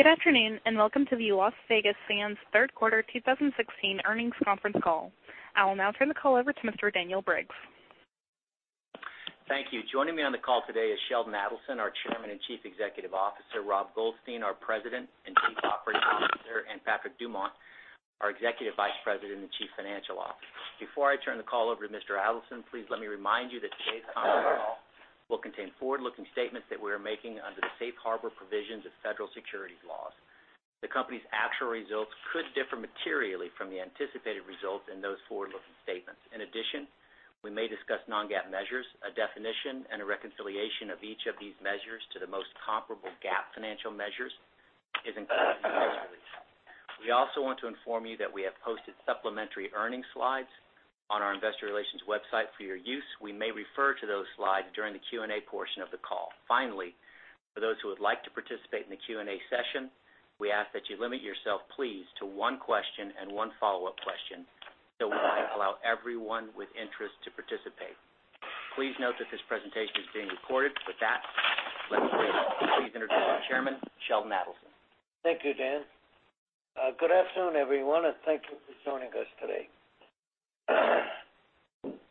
Good afternoon, and welcome to the Las Vegas Sands third quarter 2016 earnings conference call. I will now turn the call over to Mr. Daniel Briggs. Thank you. Joining me on the call today is Sheldon Adelson, our Chairman and Chief Executive Officer, Rob Goldstein, our President and Chief Operating Officer, and Patrick Dumont, our Executive Vice President and Chief Financial Officer. Before I turn the call over to Mr. Adelson, please let me remind you that today's conference call will contain forward-looking statements that we are making under the safe harbor provisions of federal securities laws. The company's actual results could differ materially from the anticipated results in those forward-looking statements. In addition, we may discuss non-GAAP measures. A definition and a reconciliation of each of these measures to the most comparable GAAP financial measures is included in the press release. We also want to inform you that we have posted supplementary earnings slides on our investor relations website for your use. We may refer to those slides during the Q&A portion of the call. Finally, for those who would like to participate in the Q&A session, we ask that you limit yourself, please, to one question and one follow-up question so we can allow everyone with interest to participate. Please note that this presentation is being recorded. With that, let me please introduce our chairman, Sheldon Adelson. Thank you, Dan. Good afternoon, everyone, and thank you for joining us today.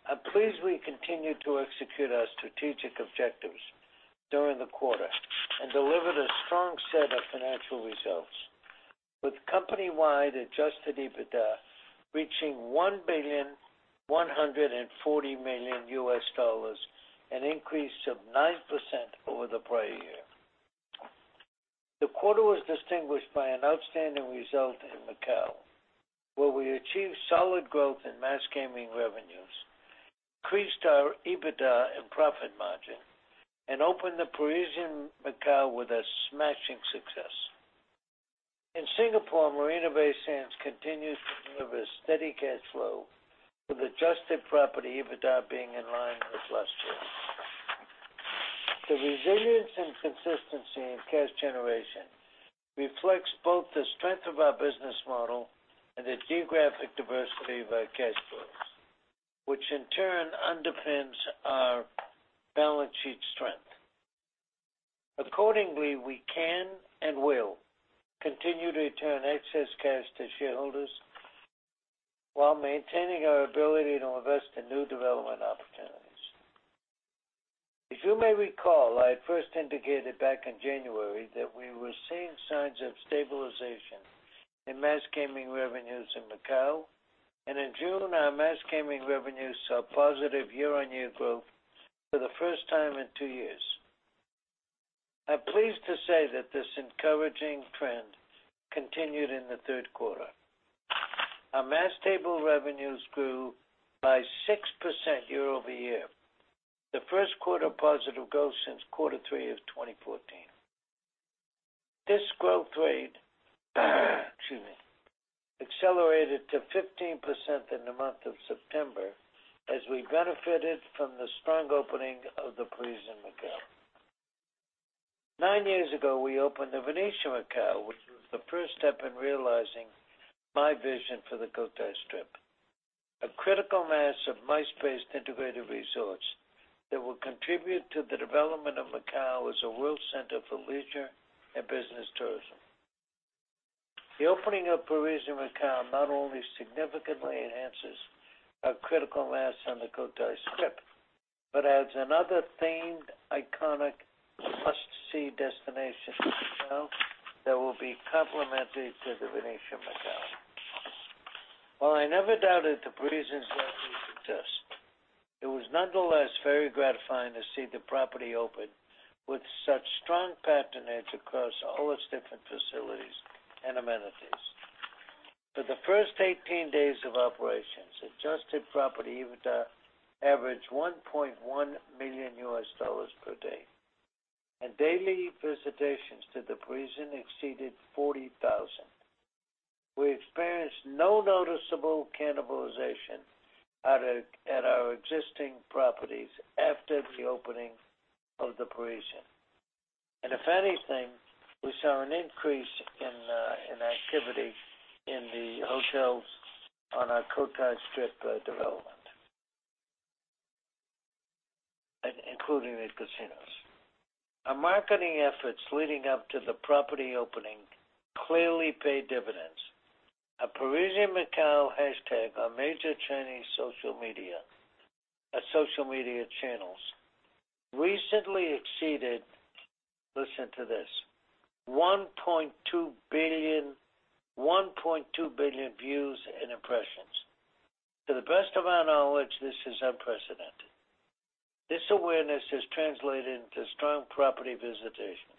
I'm pleased we continued to execute our strategic objectives during the quarter and delivered a strong set of financial results with company-wide adjusted EBITDA reaching $1,140,000,000, an increase of 9% over the prior year. The quarter was distinguished by an outstanding result in Macao, where we achieved solid growth in mass gaming revenues, increased our EBITDA and profit margin, and opened The Parisian Macao with a smashing success. In Singapore, Marina Bay Sands continues to deliver steady cash flow with adjusted property EBITDA being in line with last year. The resilience and consistency in cash generation reflects both the strength of our business model and the geographic diversity of our cash flows, which in turn underpins our balance sheet strength. Accordingly, we can and will continue to return excess cash to shareholders while maintaining our ability to invest in new development opportunities. As you may recall, I first indicated back in January that we were seeing signs of stabilization in mass gaming revenues in Macao, and in June, our mass gaming revenues saw positive year-over-year growth for the first time in two years. I'm pleased to say that this encouraging trend continued in the third quarter. Our mass table revenues grew by 6% year-over-year, the first quarter positive growth since quarter three of 2014. This growth rate, excuse me, accelerated to 15% in the month of September as we benefited from the strong opening of The Parisian Macao. Nine years ago, we opened The Venetian Macao, which was the first step in realizing my vision for the Cotai Strip, a critical mass of MICE-based integrated resorts that will contribute to the development of Macao as a world center for leisure and business tourism. The opening of Parisian Macao not only significantly enhances our critical mass on the Cotai Strip, but adds another themed, iconic, must-see destination in Macao that will be complementary to The Venetian Macao. While I never doubted The Parisian's success, it was nonetheless very gratifying to see the property open with such strong patronage across all its different facilities and amenities. For the first 18 days of operations, adjusted property EBITDA averaged $1.1 million per day, and daily visitations to The Parisian exceeded 40,000. We experienced no noticeable cannibalization at our existing properties after the opening of The Parisian. If anything, we saw an increase in activity in the hotels on our Cotai Strip development, including the casinos. Our marketing efforts leading up to the property opening clearly paid dividends. A Parisian Macao hashtag on major Chinese social media channels recently exceeded, listen to this, 1.2 billion views and impressions. To the best of our knowledge, this is unprecedented. This awareness has translated into strong property visitation.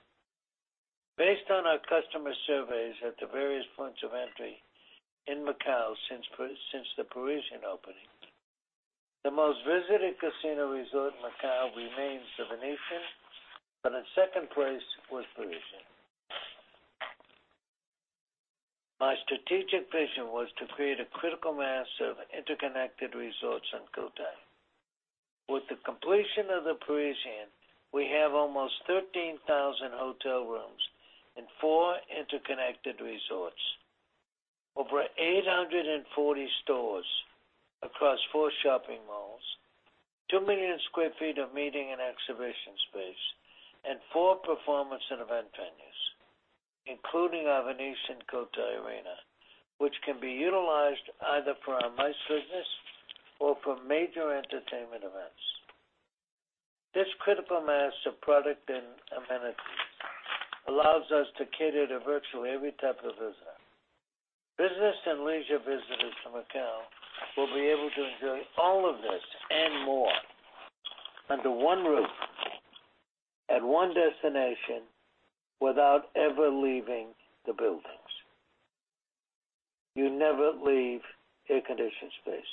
Based on our customer surveys at the various points of entry in Macao since the Parisian opening, the most visited casino resort in Macao remains The Venetian, but in second place was Parisian. My strategic vision was to create a critical mass of interconnected resorts on Cotai. With the completion of The Parisian, we have almost 13,000 hotel rooms and four interconnected resorts. Over 840 stores across four shopping malls, 2 million sq ft of meeting and exhibition space, and four performance and event venues, including our Venetian Cotai Arena, which can be utilized either for our MICE business or for major entertainment events. This critical mass of product and amenities allows us to cater to virtually every type of visitor. Business and leisure visitors from Macao will be able to enjoy all of this and more under one roof, at one destination, without ever leaving the buildings. You never leave air-conditioned space.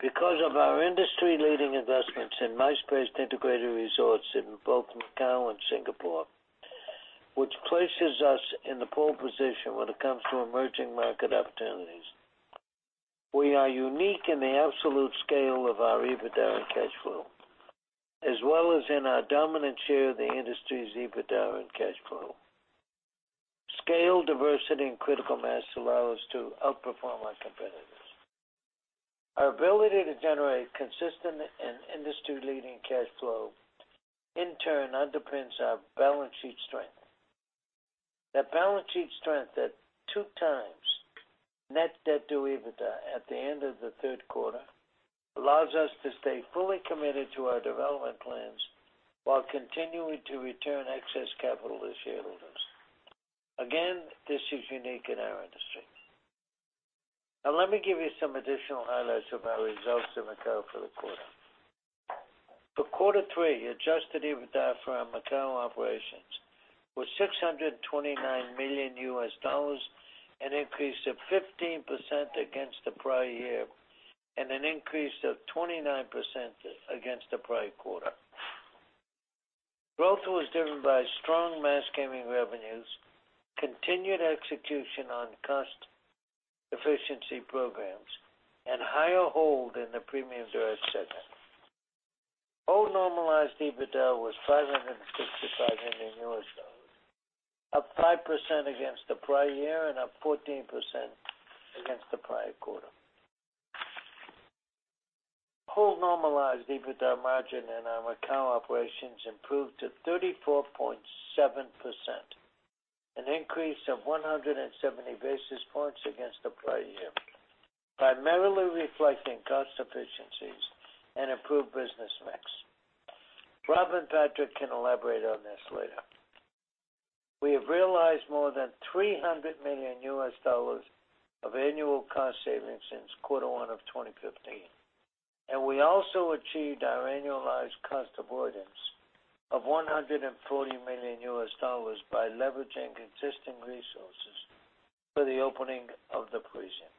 Because of our industry-leading investments in MICE-based integrated resorts in both Macao and Singapore, which places us in the pole position when it comes to emerging market opportunities. We are unique in the absolute scale of our EBITDA and cash flow, as well as in our dominant share of the industry's EBITDA and cash flow. Scale, diversity, and critical mass allow us to outperform our competitors. Our ability to generate consistent and industry-leading cash flow, in turn, underpins our balance sheet strength. That balance sheet strength at 2 times net debt to EBITDA at the end of the third quarter allows us to stay fully committed to our development plans while continuing to return excess capital to shareholders. Again, this is unique in our industry. Let me give you some additional highlights of our results in Macao for the quarter. For quarter three, adjusted EBITDA for our Macao operations was $629 million, an increase of 15% against the prior year, and an increase of 29% against the prior quarter. Growth was driven by strong mass gaming revenues, continued execution on cost efficiency programs, and higher hold in the premium GGR segment. Hold normalized EBITDA was $565 million, up 5% against the prior year and up 14% against the prior quarter. Hold normalized EBITDA margin in our Macao operations improved to 34.7%, an increase of 170 basis points against the prior year, primarily reflecting cost efficiencies and improved business mix. Rob and Patrick can elaborate on this later. We have realized more than $300 million of annual cost savings since quarter one of 2015, and we also achieved our annualized cost avoidance of $140 million by leveraging existing resources for the opening of The Parisian.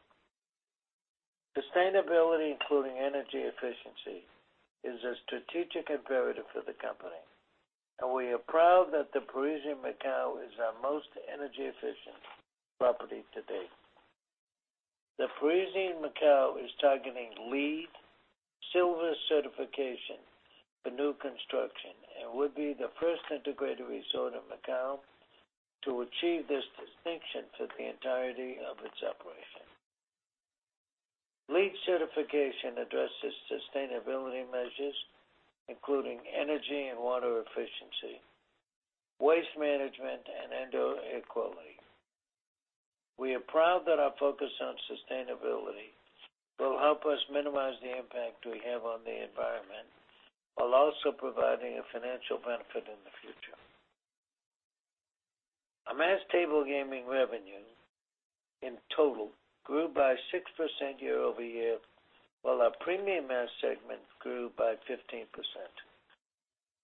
Sustainability, including energy efficiency, is a strategic imperative for the company, and we are proud that The Parisian Macao is our most energy-efficient property to date. The Parisian Macao is targeting LEED Silver certification for new construction and would be the first integrated resort in Macao to achieve this distinction for the entirety of its operation. LEED certification addresses sustainability measures, including energy and water efficiency, waste management, and indoor air quality. We are proud that our focus on sustainability will help us minimize the impact we have on the environment while also providing a financial benefit in the future. Our mass table gaming revenue, in total, grew by 6% year-over-year, while our premium mass segment grew by 15%.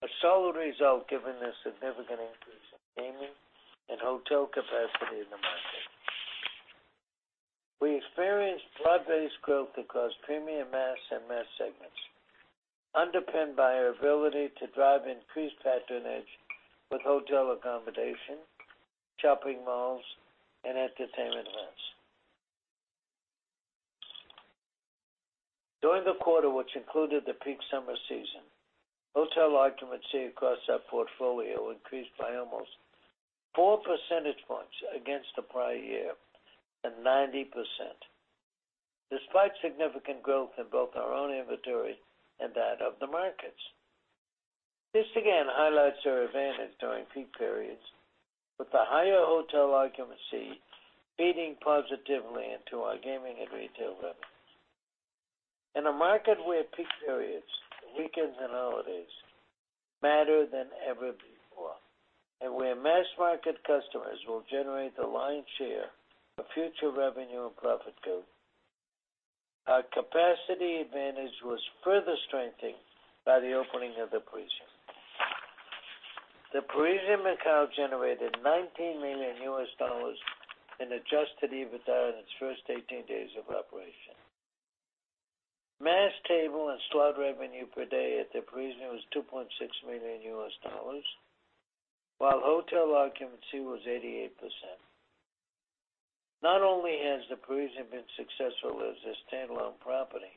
A solid result given the significant increase in gaming and hotel capacity in the market. We experienced broad-based growth across premium mass and mass segments, underpinned by our ability to drive increased patronage with hotel accommodation, shopping malls, and entertainment events. During the quarter, which included the peak summer season, hotel occupancy across our portfolio increased by almost four percentage points against the prior year and 90%, despite significant growth in both our own inventory and that of the market's. This again highlights our advantage during peak periods, with the higher hotel occupancy feeding positively into our gaming and retail revenues. In a market where peak periods, weekends, and holidays matter than ever before, and where mass market customers will generate the lion's share of future revenue and profit growth, our capacity advantage was further strengthened by the opening of The Parisian. The Parisian Macao generated $19 million in adjusted EBITDA in its first 18 days of operation. Mass table and slot revenue per day at The Parisian was $2.6 million, while hotel occupancy was 88%. Not only has The Parisian been successful as a standalone property,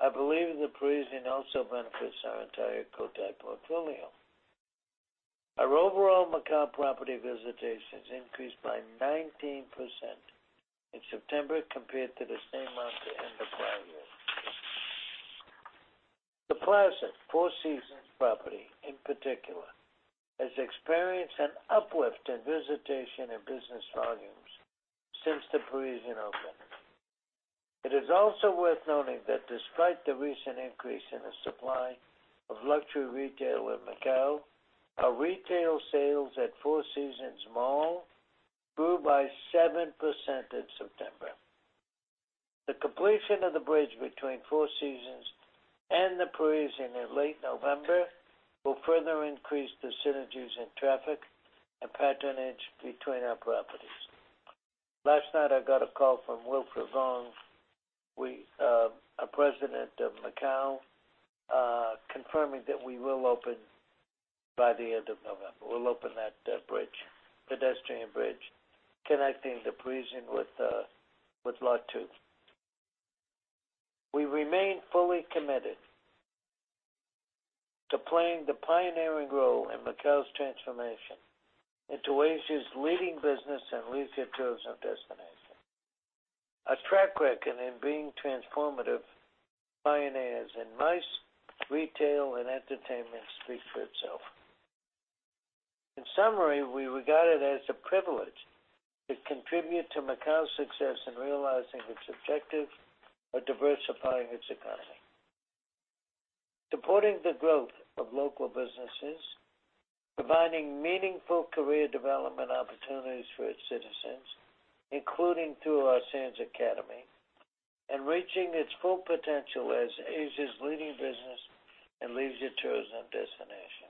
I believe The Parisian also benefits our entire Cotai portfolio. Our overall Macao property visitations increased by 19% in September compared to the same month in the prior year. The Plaza Four Seasons property, in particular, has experienced an uplift in visitation and business volumes since The Parisian opened. It is also worth noting that despite the recent increase in the supply of luxury retail in Macao, our retail sales at Shoppes at Four Seasons grew by 7% in September. The completion of the bridge between Four Seasons and The Parisian in late November will further increase the synergies in traffic and patronage between our properties. Last night, I got a call from Wilfred Wong, our president of Macao, confirming that we will open by the end of November. We'll open that pedestrian bridge connecting The Parisian with Lot 2. We remain fully committed to playing the pioneering role in Macao's transformation into Asia's leading business and leisure tourism destination. Our track record in being transformative pioneers in MICE, retail, and entertainment speaks for itself. In summary, we regard it as a privilege to contribute to Macao's success in realizing its objective of diversifying its economy, supporting the growth of local businesses, providing meaningful career development opportunities for its citizens, including through our Sands Academy, and reaching its full potential as Asia's leading business and leisure tourism destination.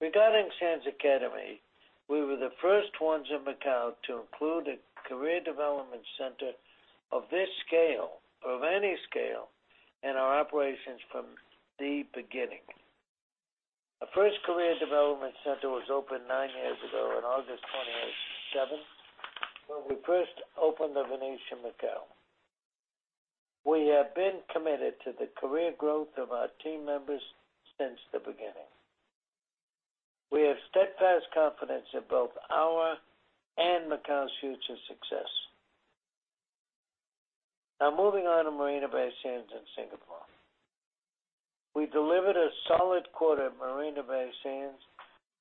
Regarding Sands Academy, we were the first ones in Macao to include a career development center of any scale in our operations from the beginning. Our first career development center was opened nine years ago on August 27, when we first opened The Venetian Macao. We have been committed to the career growth of our team members since the beginning. We have steadfast confidence in both our and Macao's future success. Now, moving on to Marina Bay Sands in Singapore. We delivered a solid quarter at Marina Bay Sands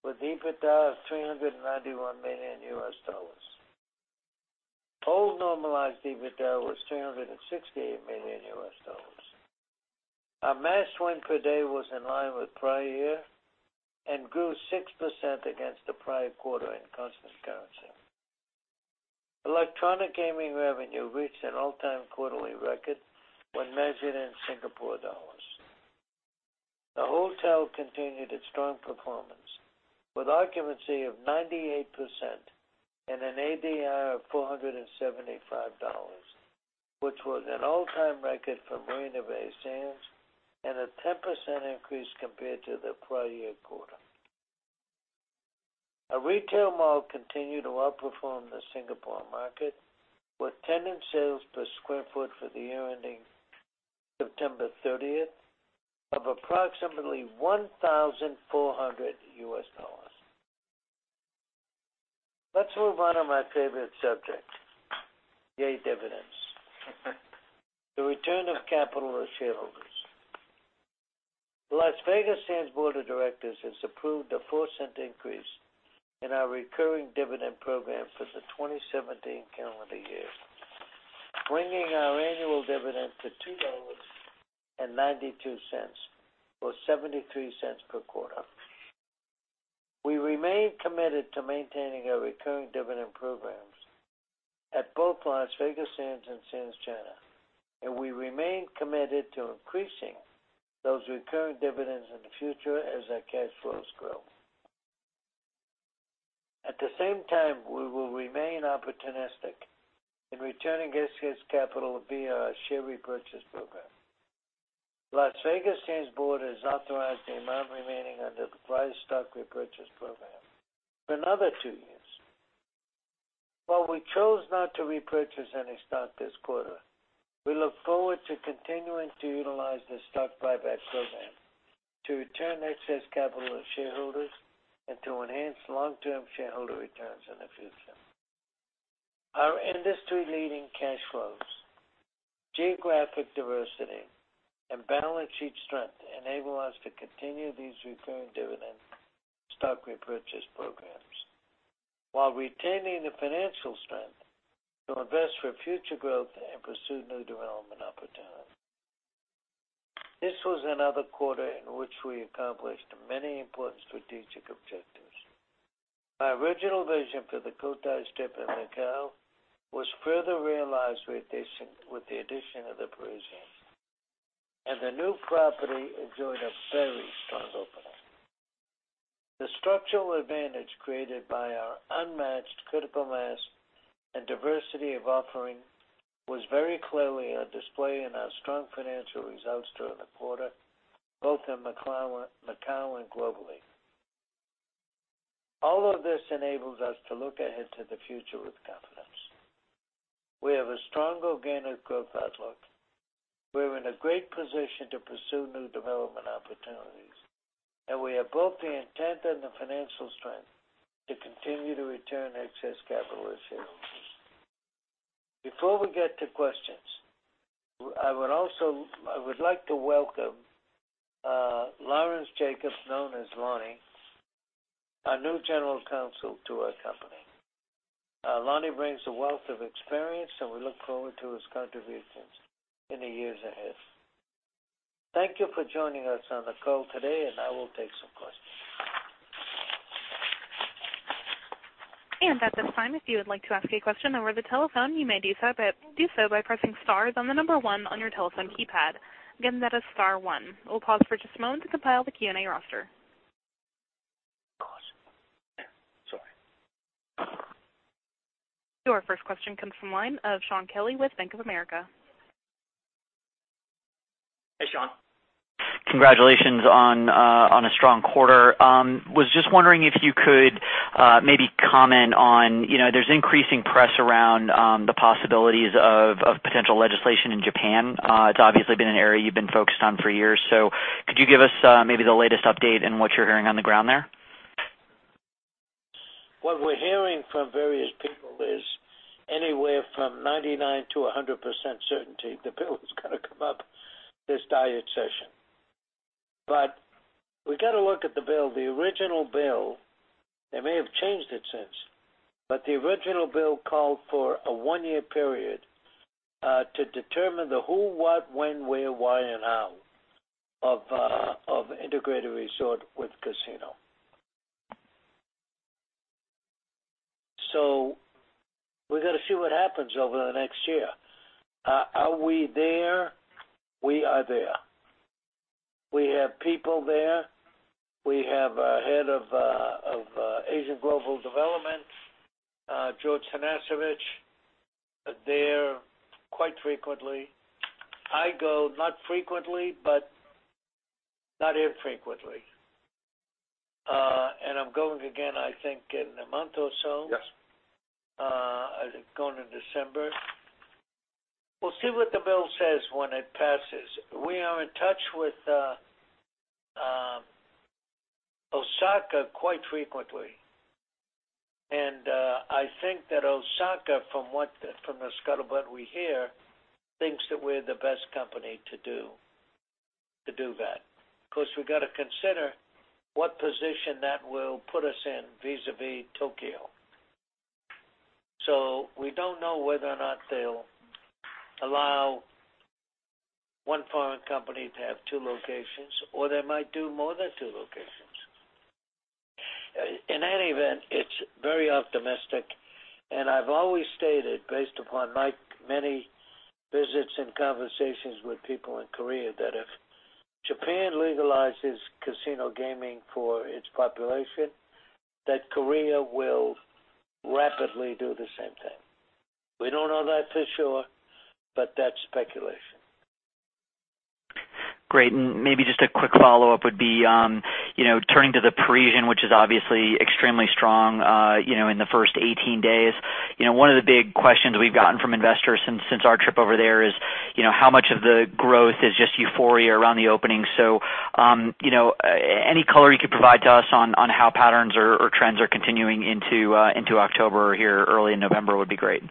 with EBITDA of $391 million. Whole normalized EBITDA was $368 million. Our mass win per day was in line with prior year and grew 6% against the prior quarter in constant currency. Electronic gaming revenue reached an all-time quarterly record when measured in SGD. The hotel continued its strong performance with occupancy of 98% and an ADR of $475, which was an all-time record for Marina Bay Sands and a 10% increase compared to the prior year quarter. Our retail mall continued to outperform the Singapore market with tenant sales per square foot for the year ending September 30th of approximately $1,400. Let's move on to my favorite subject. Yay, dividends. The return of capital to shareholders. The Las Vegas Sands board of directors has approved a $0.04 increase in our recurring dividend program for the 2017 calendar year, bringing our annual dividend to $2.92, or $0.73 per quarter. We remain committed to maintaining our recurring dividend programs at both Las Vegas Sands and Sands China, and we remain committed to increasing those recurring dividends in the future as our cash flows grow. At the same time, we will remain opportunistic in returning excess capital via our share repurchase program. Las Vegas Sands board has authorized the amount remaining under the price stock repurchase program for another two years. While we chose not to repurchase any stock this quarter, we look forward to continuing to utilize the stock buyback program to return excess capital to shareholders and to enhance long-term shareholder returns in the future. Our industry-leading cash flows, geographic diversity, and balance sheet strength enable us to continue these recurring dividend stock repurchase programs while retaining the financial strength to invest for future growth and pursue new development opportunities. This was another quarter in which we accomplished many important strategic objectives. Our original vision for the Cotai Strip in Macao was further realized with the addition of The Parisian, and the new property enjoyed a very strong opening. The structural advantage created by our unmatched critical mass and diversity of offering was very clearly on display in our strong financial results during the quarter, both in Macao and globally. All of this enables us to look ahead to the future with confidence. We have a strong organic growth outlook. We're in a great position to pursue new development opportunities, and we have both the intent and the financial strength to continue to return excess capital to shareholders. Before we get to questions, I would like to welcome Lawrence Jacobs, known as Lonnie, our new General Counsel to our company. Lonnie brings a wealth of experience, we look forward to his contributions in the years ahead. Thank you for joining us on the call today, I will take some questions. At this time, if you would like to ask a question over the telephone, you may do so by pressing star then the number 1 on your telephone keypad. Again, that is star one. We'll pause for just a moment to compile the Q&A roster. Pause. Sorry. Your first question comes from line of Shaun Kelley with Bank of America. Hey, Shaun. Congratulations on a strong quarter. Was just wondering if you could maybe comment on, there's increasing press around the possibilities of potential legislation in Japan. It's obviously been an area you've been focused on for years. Could you give us maybe the latest update in what you're hearing on the ground there? What we're hearing from various people is anywhere from 99% to 100% certainty the bill is going to come up this Diet session. We got to look at the bill. The original bill, they may have changed it since, but the original bill called for a one-year period, to determine the who, what, when, where, why, and how of integrated resort with casino. We got to see what happens over the next year. Are we there? We are there. We have people there. We have our head of Asian Global Development, George Tanasijevich, there quite frequently. I go, not frequently, but not infrequently. I'm going again, I think, in a month or so. Yes. I think going in December. We'll see what the bill says when it passes. We are in touch with Osaka quite frequently. I think that Osaka, from the scuttlebutt we hear, thinks that we're the best company to do that. Of course, we got to consider what position that will put us in vis-à-vis Tokyo. We don't know whether or not they'll allow one foreign company to have two locations, or they might do more than two locations. In any event, it's very optimistic, and I've always stated, based upon my many visits and conversations with people in Korea, that if Japan legalizes casino gaming for its population, that Korea will rapidly do the same thing. We don't know that for sure, but that's speculation. Great. Maybe just a quick follow-up would be, turning to The Parisian, which is obviously extremely strong in the first 18 days. One of the big questions we've gotten from investors since our trip over there is, how much of the growth is just euphoria around the opening? Any color you could provide to us on how patterns or trends are continuing into October here early in November would be great.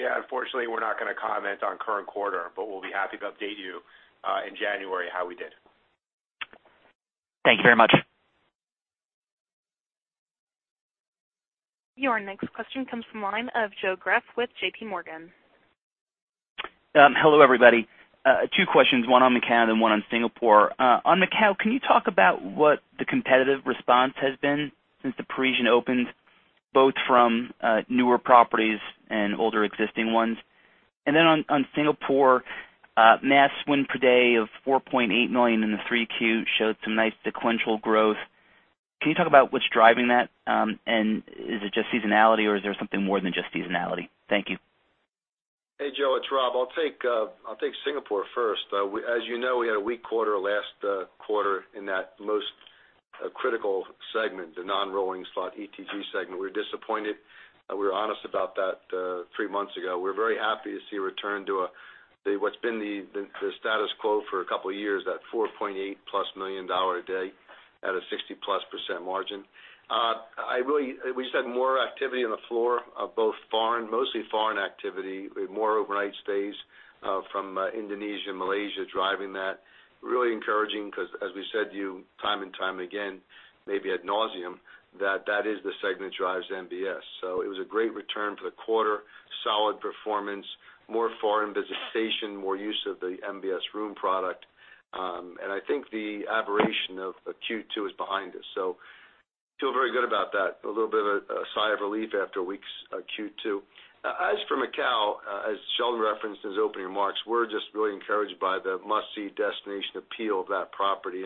Yeah. Unfortunately, we're not going to comment on current quarter, but we'll be happy to update you in January how we did. Thank you very much. Your next question comes from the line of Joe Greff with J.P. Morgan. Hello, everybody. Two questions, one on Macao and one on Singapore. On Macao, can you talk about what the competitive response has been since The Parisian opened, both from newer properties and older existing ones? Then on Singapore, mass win per day of $4.8 million in the Q3 showed some nice sequential growth. Can you talk about what's driving that? Is it just seasonality, or is there something more than just seasonality? Thank you. Hey, Joe, it's Rob. I'll take Singapore first. As you know, we had a weak quarter last quarter in that most critical segment, the non-rolling slot ETG segment. We're disappointed, we were honest about that three months ago. We're very happy to see a return to what's been the status quo for a couple of years, that $4.8-plus million a day at a 60-plus % margin. We just had more activity on the floor of both foreign, mostly foreign activity, with more overnight stays from Indonesia, Malaysia driving that. Really encouraging because as we said to you time and time again, maybe ad nauseam, that that is the segment that drives MBS. It was a great return for the quarter, solid performance, more foreign visitation, more use of the MBS room product. I think the aberration of Q2 is behind us. Feel very good about that. A little bit of a sigh of relief after a weak Q2. As for Macao, as Sheldon referenced in his opening remarks, we're just really encouraged by the must-see destination appeal of that property.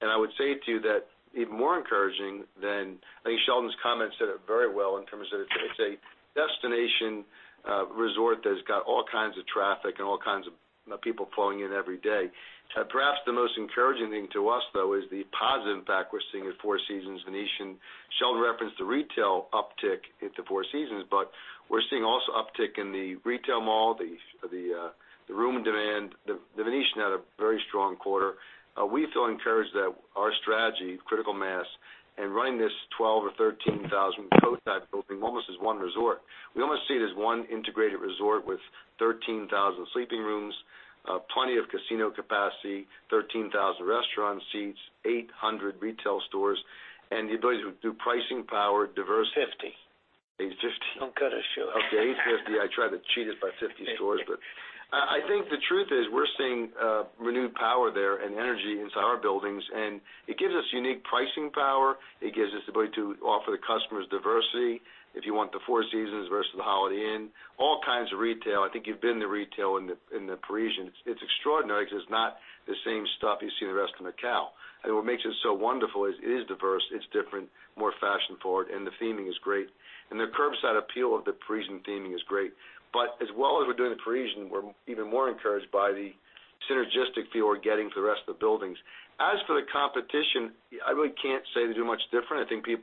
I would say to you that even more encouraging than, I think Sheldon's comment said it very well in terms of it's a destination A resort that's got all kinds of traffic and all kinds of people flowing in every day. Perhaps the most encouraging thing to us, though, is the positive impact we're seeing at Four Seasons, Venetian. Sheldon referenced the retail uptick into Four Seasons, but we're seeing also uptick in the retail mall, the room demand. The Venetian had a very strong quarter. We feel encouraged that our strategy, critical mass, and running this 12,000 or 13,000 Cotai building almost as one resort. We almost see it as one integrated resort with 13,000 sleeping rooms, plenty of casino capacity, 13,000 restaurant seats, 800 retail stores, and the ability to do pricing power. 850. 850. Don't cut us short. Okay, 850. I tried to cheat us by 50 stores, I think the truth is we're seeing renewed power there and energy inside our buildings, and it gives us unique pricing power. It gives us the ability to offer the customers diversity. If you want the Four Seasons versus the Holiday Inn, all kinds of retail. I think you've been to retail in the Parisian. It's extraordinary because it's not the same stuff you see in the rest of Macao. What makes it so wonderful is it is diverse, it's different, more fashion-forward, and the theming is great. The curbside appeal of the Parisian theming is great. As well as we're doing the Parisian, we're even more encouraged by the synergistic feel we're getting for the rest of the buildings. As for the competition, I really can't say they do much different. I think a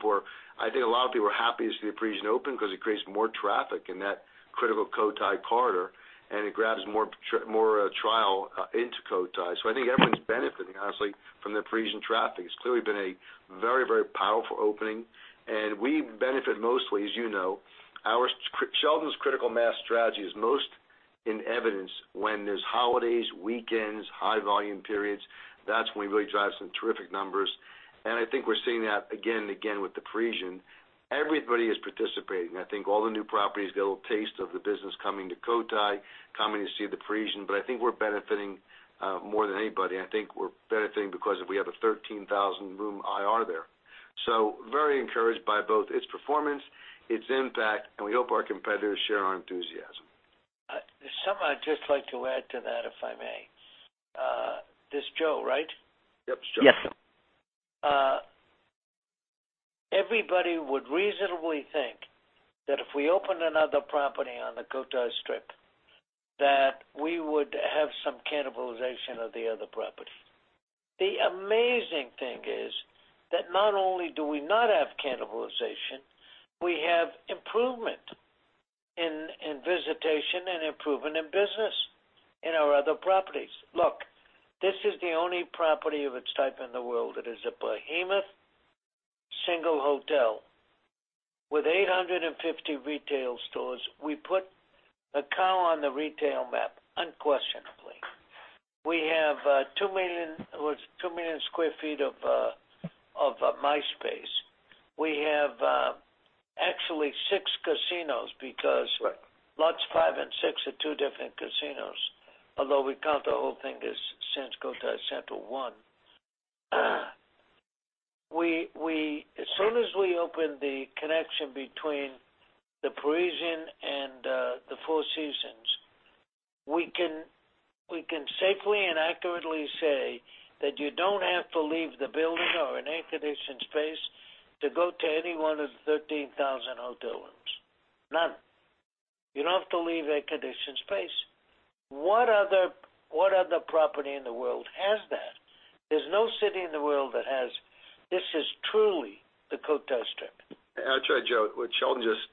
lot of people are happy to see the Parisian open because it creates more traffic in that critical Cotai corridor, and it grabs more trial into Cotai. I think everyone's benefiting, honestly, from the Parisian traffic. It's clearly been a very powerful opening, and we benefit mostly, as you know. Sheldon's critical mass strategy is most in evidence when there's holidays, weekends, high volume periods. That's when we really drive some terrific numbers, and I think we're seeing that again and again with the Parisian. Everybody is participating. I think all the new properties get a little taste of the business coming to Cotai, coming to see the Parisian. I think we're benefiting more than anybody, and I think we're benefiting because we have a 13,000 room IR there. Very encouraged by both its performance, its impact, and we hope our competitors share our enthusiasm. There's something I'd just like to add to that, if I may. This is Joe, right? Yep, it's Joe. Yes. Everybody would reasonably think that if we open another property on the Cotai Strip, that we would have some cannibalization of the other property. The amazing thing is that not only do we not have cannibalization, we have improvement in visitation and improvement in business in our other properties. Look, this is the only property of its type in the world that is a behemoth single hotel. With 850 retail stores, we put Macao on the retail map, unquestionably. We have 2 million sq ft of MICE space. We have actually six casinos because- Right Lots 5 and 6 are two different casinos. Although we count the whole thing as Sands Cotai Central 1. As soon as we open the connection between The Parisian and the Four Seasons, we can safely and accurately say that you don't have to leave the building or an air-conditioned space to go to any one of the 13,000 hotel rooms. None. You don't have to leave air-conditioned space. What other property in the world has that? There's no city in the world that has. This is truly the Cotai Strip. I tell you, Joe, what Sheldon just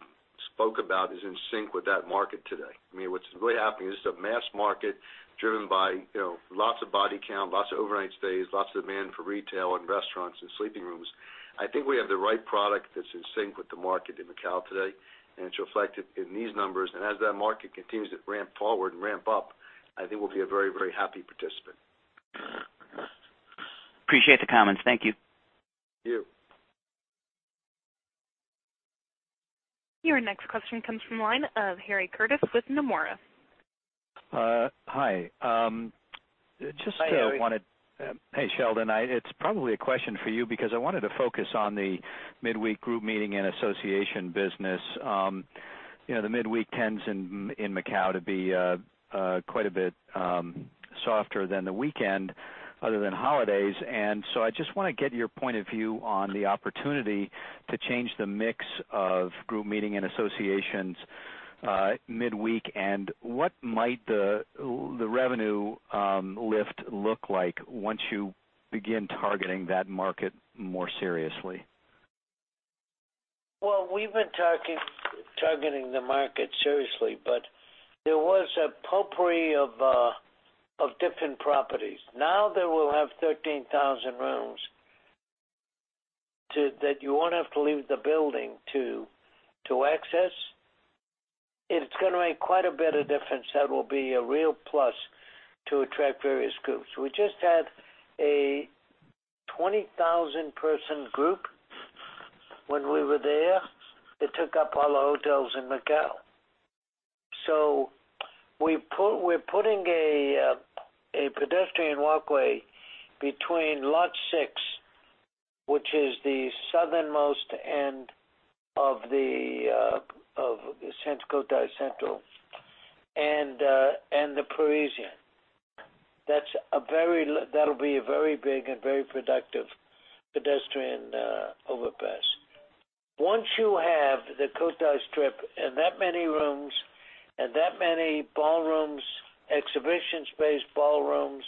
spoke about is in sync with that market today. What's really happening, this is a mass market driven by lots of body count, lots of overnight stays, lots of demand for retail and restaurants and sleeping rooms. I think we have the right product that's in sync with the market in Macao today, and it's reflected in these numbers. As that market continues to ramp forward and ramp up, I think we'll be a very happy participant. Appreciate the comments. Thank you. Thank you. Your next question comes from the line of Harry Curtis with Nomura. Hi. Hi, Harry. Hey, Sheldon. It's probably a question for you because I wanted to focus on the midweek group meeting and association business. The midweek tends in Macao to be quite a bit softer than the weekend, other than holidays. I just want to get your point of view on the opportunity to change the mix of group meeting and associations midweek, and what might the revenue lift look like once you begin targeting that market more seriously? Well, we've been targeting the market seriously, but there was a potpourri of different properties. Now that we'll have 13,000 rooms that you won't have to leave the building to access, it's going to make quite a bit of difference. That will be a real plus to attract various groups. We just had a 20,000-person group when we were there. It took up all the hotels in Macao. We're putting a pedestrian walkway between lot six, which is the southernmost end of the Sands Cotai Central, and the Parisian. That'll be a very big and very productive pedestrian overpass. Once you have the Cotai Strip and that many rooms, and that many ballrooms, exhibition space ballrooms,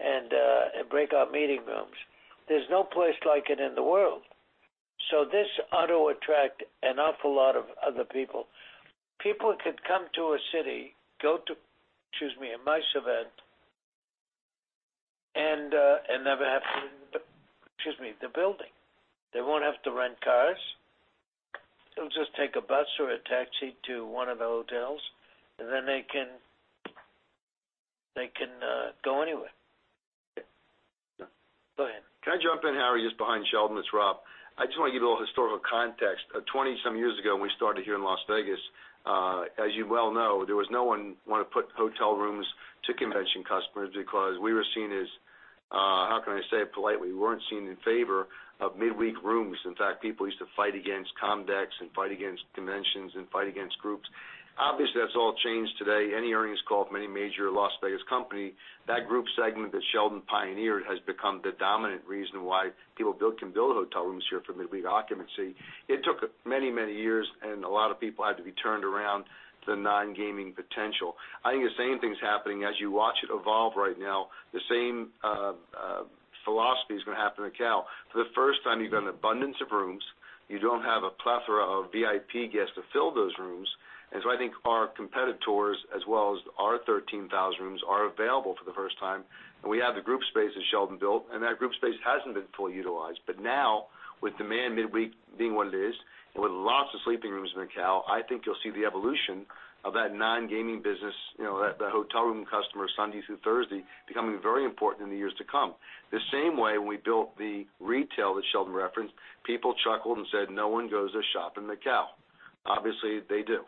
and breakout meeting rooms, there's no place like it in the world. This ought to attract an awful lot of other people. People could come to a city, go to, excuse me, a MICE event, and never have to leave, excuse me, the building. They won't have to rent cars. They'll just take a bus or a taxi to one of the hotels, and then they can go anywhere. Go ahead. Can I jump in, Harry? Just behind Sheldon, it's Rob. I just want to give you a little historical context. 20 some years ago, when we started here in Las Vegas, as you well know, there was no one want to put hotel rooms to convention customers because we were seen as, how can I say it politely? We weren't seen in favor of midweek rooms. In fact, people used to fight against COMDEX, and fight against conventions, and fight against groups. Obviously, that's all changed today. Any earnings call from any major Las Vegas company, that group segment that Sheldon pioneered has become the dominant reason why people can build hotel rooms here for midweek occupancy. It took many years, and a lot of people had to be turned around to the non-gaming potential. I think the same thing's happening as you watch it evolve right now. The same philosophy is going to happen in Macao. For the first time, you've got an abundance of rooms. You don't have a plethora of VIP guests to fill those rooms. I think our competitors, as well as our 13,000 rooms are available for the first time. We have the group space that Sheldon built, and that group space hasn't been fully utilized. Now, with demand midweek being what it is, and with lots of sleeping rooms in Macao, I think you'll see the evolution of that non-gaming business, that hotel room customer Sunday through Thursday, becoming very important in the years to come. The same way when we built the retail that Sheldon referenced, people chuckled and said, "No one goes to shop in Macao." Obviously, they do.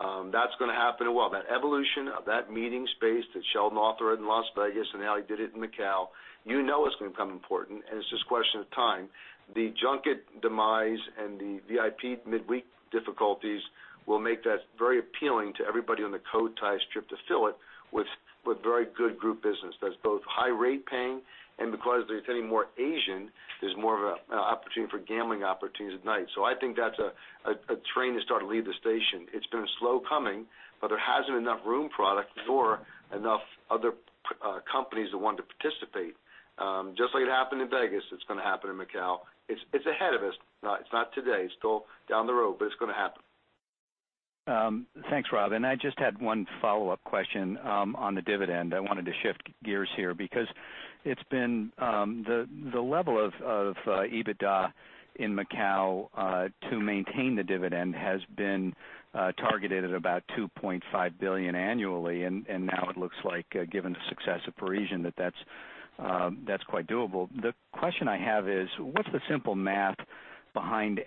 That's going to happen in a while. That evolution of that meeting space that Sheldon authored in Las Vegas and how he did it in Macao, you know it's going to become important, and it's just a question of time. The junket demise and the VIP midweek difficulties will make that very appealing to everybody on the Cotai Strip to fill it with very good group business. That's both high rate paying, and because it's getting more Asian, there's more of an opportunity for gambling opportunities at night. I think that's a train that's starting to leave the station. It's been slow coming, but there hasn't enough room product nor enough other companies that want to participate. Just like it happened in Vegas, it's going to happen in Macao. It's ahead of us. It's not today. It's still down the road, it's going to happen. Thanks, Rob. I just had one follow-up question on the dividend. I wanted to shift gears here because the level of EBITDA in Macao to maintain the dividend has been targeted at about $2.5 billion annually, and now it looks like, given the success of The Parisian Macao, that that's quite doable. The question I have is, what's the simple math behind it?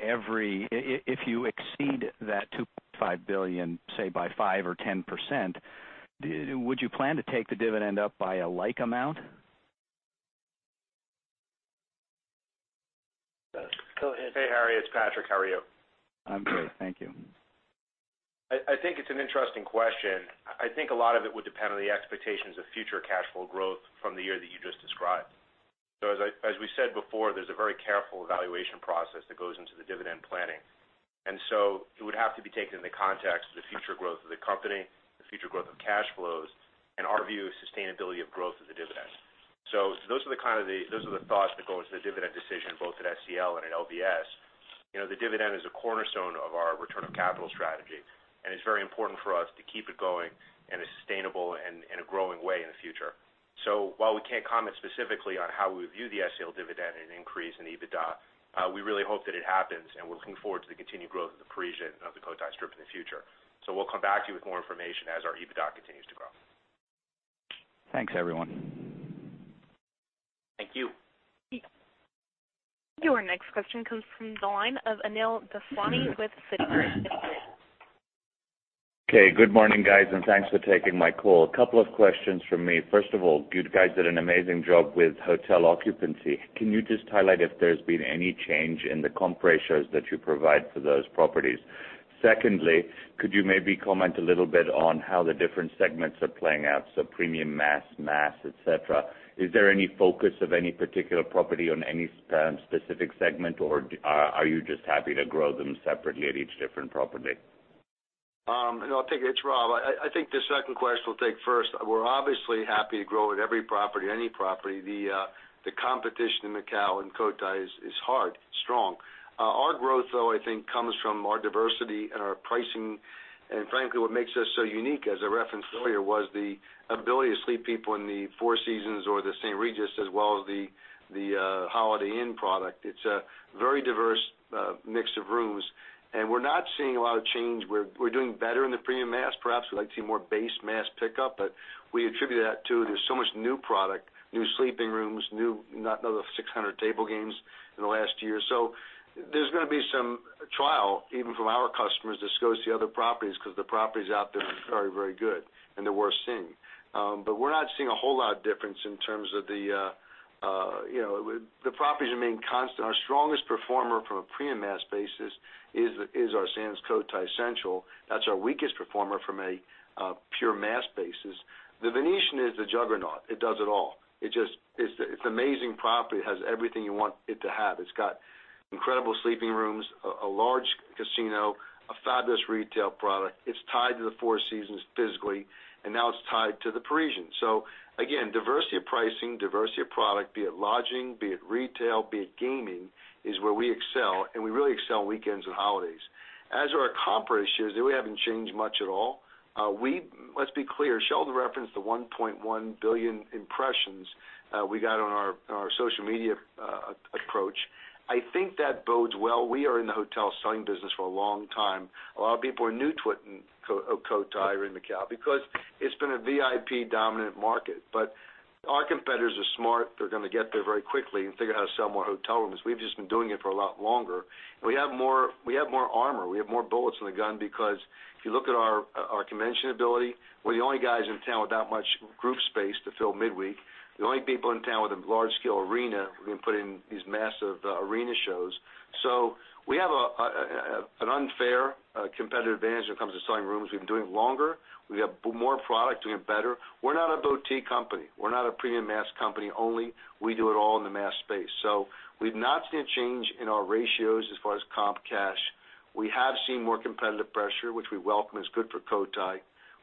If you exceed that $2.5 billion, say by 5% or 10%, would you plan to take the dividend up by a like amount? Go ahead. Hey, Harry, it's Patrick. How are you? I'm good, thank you. I think it's an interesting question. I think a lot of it would depend on the expectations of future cash flow growth from the year that you just described. As we said before, there's a very careful evaluation process that goes into the dividend planning. It would have to be taken in the context of the future growth of the company, the future growth of cash flows, and our view of sustainability of growth of the dividend. Those are the thoughts that go into the dividend decision, both at SCL and at LVS. The dividend is a cornerstone of our return of capital strategy, and it's very important for us to keep it going in a sustainable and a growing way in the future. While we can't comment specifically on how we view the SCL dividend and increase in EBITDA, we really hope that it happens, and we're looking forward to the continued growth of The Parisian and of the Cotai Strip in the future. We'll come back to you with more information as our EBITDA continues to grow. Thanks, everyone. Thank you. Your next question comes from the line of Anil Daswani with Citi. Okay, good morning, guys, and thanks for taking my call. A couple of questions from me. First of all, you guys did an amazing job with hotel occupancy. Can you just highlight if there's been any change in the comp ratios that you provide for those properties? Secondly, could you maybe comment a little bit on how the different segments are playing out, so premium mass, et cetera? Is there any focus of any particular property on any specific segment, or are you just happy to grow them separately at each different property? I'll take it. It's Rob. I think the second question we'll take first. We're obviously happy to grow at every property, any property. The competition in Macao and Cotai is hard, strong. Our growth, though, I think, comes from our diversity and our pricing. Frankly, what makes us so unique, as I referenced earlier, was the ability to sleep people in the Four Seasons or the St. Regis, as well as the Holiday Inn product. It's a very diverse mix of rooms, and we're not seeing a lot of change. We're doing better in the premium mass. Perhaps we'd like to see more base mass pickup, but we attribute that to there's so much new product, new sleeping rooms, another 600 table games in the last year. There's going to be some trial, even from our customers, just go see other properties because the properties out there are very good and they're worth seeing. We're not seeing a whole lot of difference in terms of the properties remain constant. Our strongest performer from a premium mass basis is our Sands Cotai Central. That's our weakest performer from a pure mass basis. The Venetian is the juggernaut. It does it all. It's an amazing property. It has everything you want it to have. It's got incredible sleeping rooms, a large casino, a fabulous retail product. It's tied to the Four Seasons physically, and now it's tied to The Parisian. Again, diversity of pricing, diversity of product, be it lodging, be it retail, be it gaming, is where we excel, and we really excel weekends and holidays. Our comp ratios, they really haven't changed much at all. Let's be clear, Sheldon referenced the 1.1 billion impressions we got on our social media approach. I think that bodes well. We are in the hotel selling business for a long time. A lot of people are new to it in Cotai or in Macao, because it's been a VIP-dominant market. Our competitors are smart. They're going to get there very quickly and figure out how to sell more hotel rooms. We've just been doing it for a lot longer. We have more armor. We have more bullets in the gun because if you look at our convention ability, we're the only guys in town with that much group space to fill midweek, the only people in town with a large-scale arena. We've been putting these massive arena shows. We have an unfair competitive advantage when it comes to selling rooms. We've been doing it longer. We have more product, doing it better. We're not a boutique company. We're not a premium mass company only. We do it all in the mass space. We've not seen a change in our ratios as far as comp cash. We have seen more competitive pressure, which we welcome. It's good for Cotai.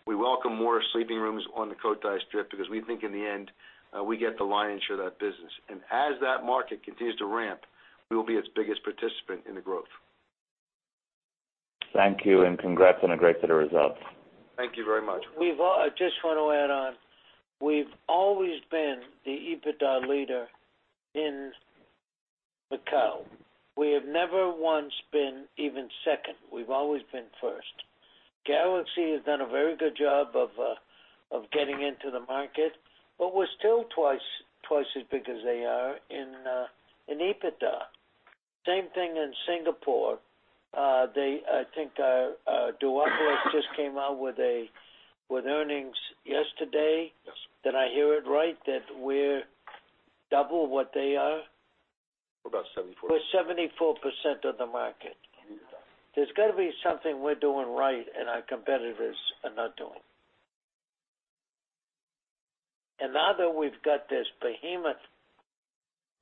We welcome more sleeping rooms on the Cotai Strip because we think in the end, we get the lion's share of that business. As that market continues to ramp, we will be its biggest participant in the growth. Thank you, congrats on a great set of results. Thank you very much. I just want to add on. We've always been the EBITDA leader in Macao. We have never once been even second. We've always been first. Galaxy has done a very good job of getting into the market, but we're still twice as big as they are in EBITDA. Same thing in Singapore. I think just came out with earnings yesterday. Yes. Did I hear it right that we're double what they are? We're about 74. We're 74% of the market. Yes. There's got to be something we're doing right, and our competitors are not doing. Now that we've got this behemoth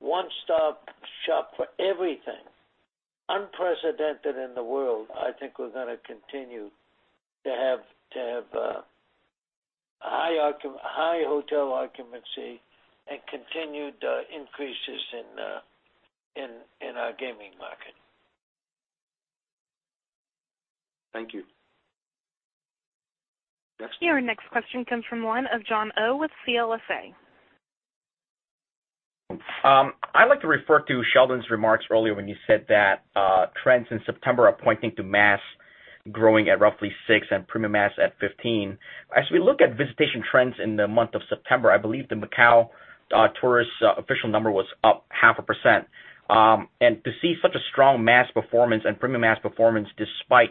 one-stop shop for everything, unprecedented in the world, I think we're going to continue to have a high hotel occupancy and continued increases in our gaming market. Thank you. Your next question comes from the line of Jon Oh with CLSA. I'd like to refer to Sheldon's remarks earlier when you said that trends in September are pointing to mass growing at roughly six and premium mass at 15. As we look at visitation trends in the month of September, I believe the Macao tourists official number was up half a percent. To see such a strong mass performance and premium mass performance despite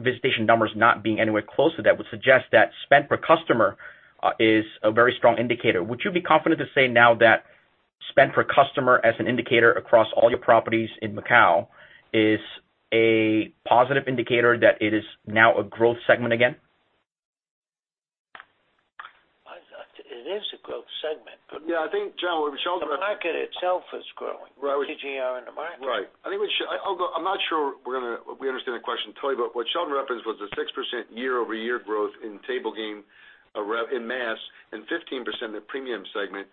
visitation numbers not being anywhere close to that would suggest that spend per customer is a very strong indicator. Would you be confident to say now that spend per customer as an indicator across all your properties in Macao is a positive indicator that it is now a growth segment again? It is a growth segment. Yeah, I think, Jon. The market itself is growing. Right. The GGR in the market. Right. I'm not sure we understand the question totally, but what Sheldon referenced was the 6% year-over-year growth in table game in mass and 15% in the premium segment.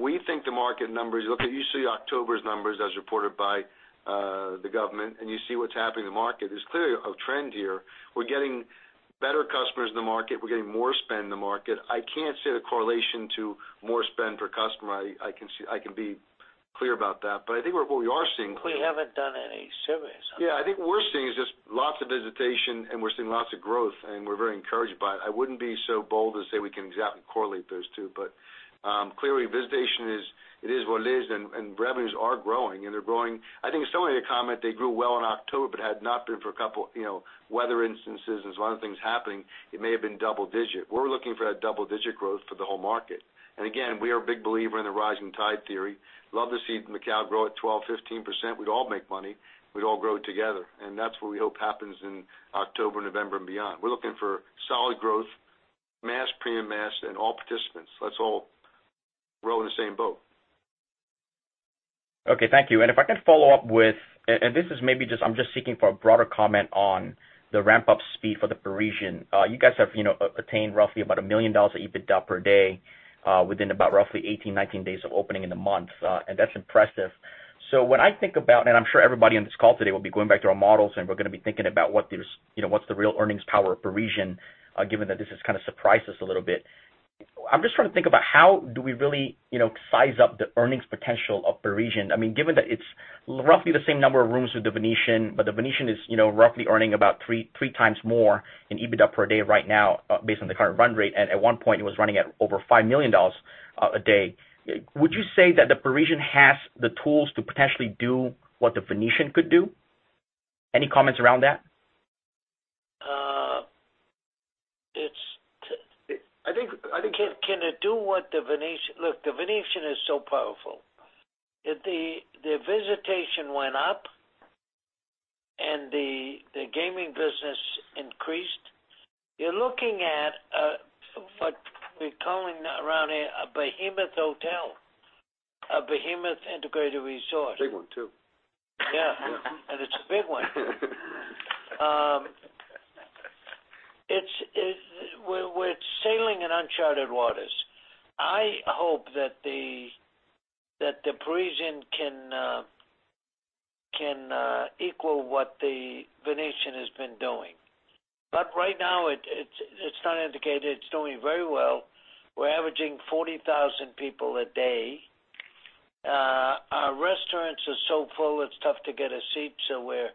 We think the market numbers. Look, you see October's numbers as reported by the government, and you see what's happening in the market. There's clearly a trend here. We're getting better customers in the market. We're getting more spend in the market. I can't say the correlation to more spend per customer. I can be clear about that. I think what we are seeing. We haven't done any surveys on that. Yeah, I think what we're seeing is just lots of visitation, and we're seeing lots of growth, and we're very encouraged by it. I wouldn't be so bold as to say we can exactly correlate those two, but clearly, visitation, it is what it is, and revenues are growing. I think somebody had comment they grew well in October but had it not been for a couple weather instances and some other things happening, it may have been double-digit. We're looking for that double-digit growth for the whole market. Again, we are a big believer in the rising tide theory. Love to see Macao grow at 12%-15%. We'd all make money. We'd all grow together. That's what we hope happens in October, November, and beyond. We're looking for solid growth, mass, premium mass, and all participants. Let's all row in the same boat. Okay, thank you. If I can follow up with, and this is maybe I'm just seeking for a broader comment on the ramp-up speed for the Parisian. You guys have attained roughly about $1 million of EBITDA per day within about roughly 18-19 days of opening in the month. That's impressive. When I think about, and I'm sure everybody on this call today will be going back to our models, and we're going to be thinking about what's the real earnings power of Parisian, given that this has kind of surprised us a little bit. I'm just trying to think about how do we really size up the earnings potential of Parisian. Given that it's roughly the same number of rooms with The Venetian, but The Venetian is roughly earning about three times more in EBITDA per day right now based on the current run rate. At one point, it was running at over $5 million a day. Would you say that The Parisian has the tools to potentially do what The Venetian could do? Any comments around that? I think- Can it do what The Venetian Look, The Venetian is so powerful. Their visitation went up, and the gaming business increased. You're looking at what we're calling around here a behemoth hotel, a behemoth integrated resort. A big one, too. Yeah. It's a big one. We're sailing in uncharted waters. I hope that the Parisian can equal what the Venetian has been doing. Right now, it's not indicated. It's doing very well. We're averaging 40,000 people a day. Our restaurants are so full it's tough to get a seat, so we're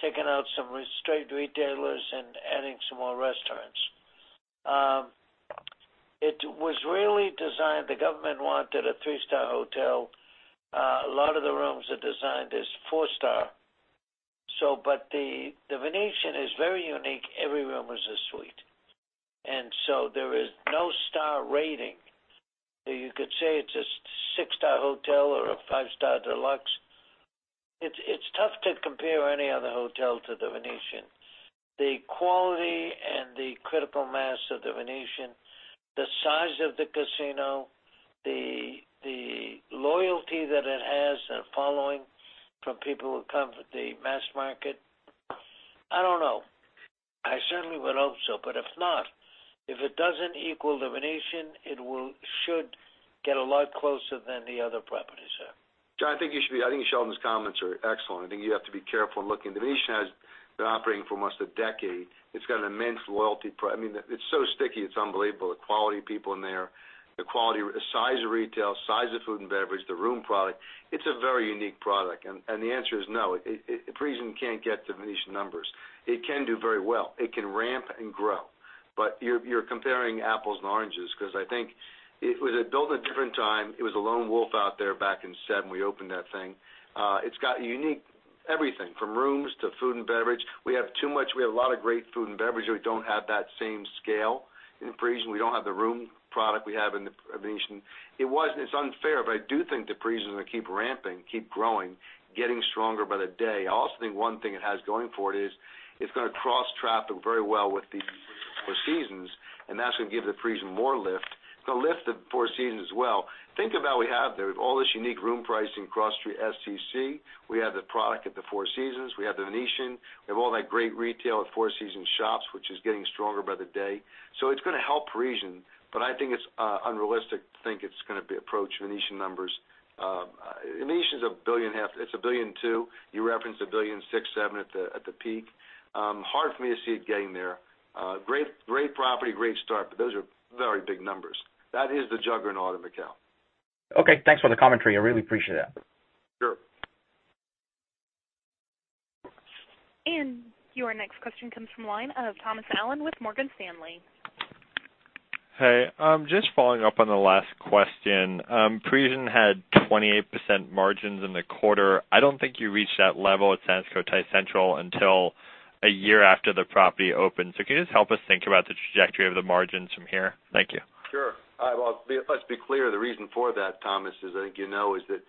taking out some straight retailers and adding some more restaurants. It was really designed, the government wanted a three-star hotel. A lot of the rooms are designed as four star. The Venetian is very unique. Every room is a suite. There is no star rating. You could say it's a six-star hotel or a five-star deluxe. It's tough to compare any other hotel to the Venetian. The quality and the critical mass of the Venetian, the size of the casino, the loyalty that it has, the following from people who come, the mass market. I don't know. I certainly would hope so, but if not, if it doesn't equal the Venetian, it should get a lot closer than the other properties there. Jon, I think Sheldon's comments are excellent. I think you have to be careful in looking. Venetian has been operating for almost a decade. It's got an immense loyalty. It's so sticky, it's unbelievable. The quality of people in there, the size of retail, size of food and beverage, the room product. It's a very unique product. The answer is no, the Parisian can't get Venetian numbers. It can do very well. It can ramp and grow. You're comparing apples and oranges, because I think it was built at a different time. It was a lone wolf out there back in '07, we opened that thing. It's got unique everything, from rooms to food and beverage. We have too much. We have a lot of great food and beverage, but we don't have that same scale in the Parisian. We don't have the room product we have in the Venetian. It's unfair, but I do think the Parisian will keep ramping, keep growing, getting stronger by the day. I also think one thing it has going for it is it's going to cross traffic very well with the Four Seasons, and that's going to give the Parisian more lift. It's going to lift the Four Seasons as well. Think about what we have there. We have all this unique room pricing across through SCC. We have the product at the Four Seasons. We have the Venetian. We have all that great retail at Four Seasons shops, which is getting stronger by the day. It's going to help Parisian, but I think it's unrealistic to think it's going to approach Venetian numbers. Venetian's a billion and a half. It's a billion two. You referenced $1.6 billion, seven at the peak. Hard for me to see it getting there. Great property, great start, but those are very big numbers. That is the juggernaut of Macao. Okay, thanks for the commentary. I really appreciate it. Sure. Your next question comes from the line of Thomas Allen with Morgan Stanley. Hey, just following up on the last question. Parisian had 28% margins in the quarter. I don't think you reached that level at Sands Cotai Central until a year after the property opened. Could you just help us think about the trajectory of the margins from here? Thank you. Sure. Let's be clear, the reason for that, Thomas, as I think you know, is that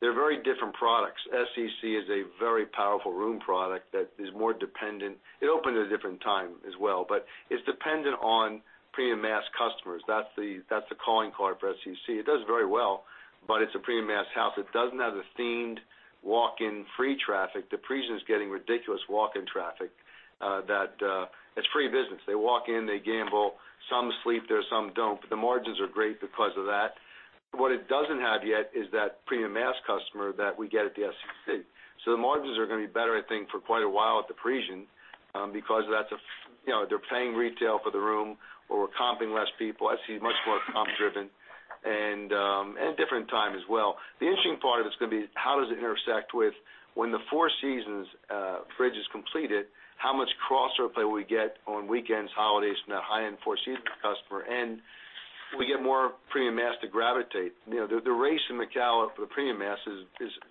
they're very different products. SCC is a very powerful room product that is more dependent. It opened at a different time as well, but it's dependent on premium mass customers. That's the calling card for SCC. It does very well, but it's a premium mass house. It doesn't have the themed walk-in free traffic. The Parisian's getting ridiculous walk-in traffic. It's free business. They walk in, they gamble. Some sleep there, some don't. The margins are great because of that. What it doesn't have yet is that premium mass customer that we get at the SCC. The margins are going to be better, I think, for quite a while at The Parisian, because they're paying retail for the room or we're comping less people. I see much more comp-driven and a different time as well. The interesting part of it's going to be how does it intersect with when the Four Seasons bridge is completed, how much crosser play we get on weekends, holidays from that high-end Four Seasons customer, and we get more premium mass to gravitate. The race in Macao for the premium mass is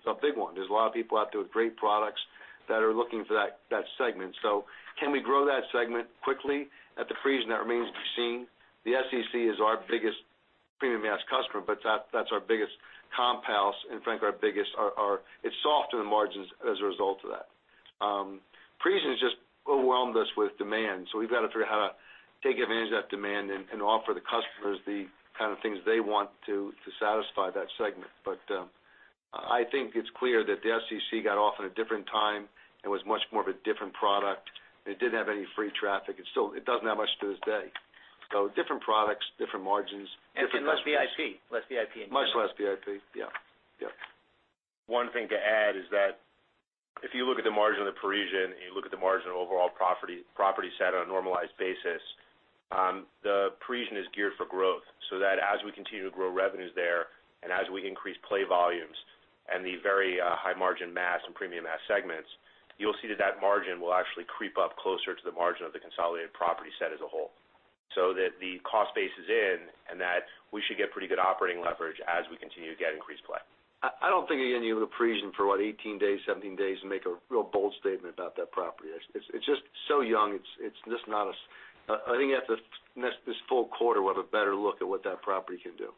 a big one. There's a lot of people out there with great products that are looking for that segment. Can we grow that segment quickly at The Parisian? That remains to be seen. The SCC is our biggest premium mass customer, that's our biggest comp house and frankly, it's soft on the margins as a result of that. The Parisian has just overwhelmed us with demand. We've got to figure out how to take advantage of that demand and offer the customers the kind of things they want to satisfy that segment. I think it's clear that the SCC got off at a different time. It was much more of a different product, it didn't have any free traffic. It doesn't have much to this day. Different products, different margins. Less VIP. Less VIP. Much less VIP. Yeah. One thing to add is that if you look at the margin of The Parisian and you look at the margin of overall property set on a normalized basis, The Parisian is geared for growth, so that as we continue to grow revenues there and as we increase play volumes and the very high margin mass and premium mass segments, you'll see that that margin will actually creep up closer to the margin of the consolidated property set as a whole. The cost base is in, and that we should get pretty good operating leverage as we continue to get increased play. I don't think, again, you have The Parisian for what, 18 days, 17 days, and make a real bold statement about that property. It's just so young. I think you have to miss this full quarter. We'll have a better look at what that property can do.